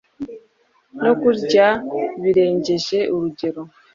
no Kurya Birengeje Urugero